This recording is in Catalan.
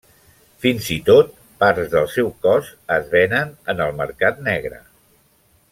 Fins i tot, parts del seu cos es venen en el mercat negre.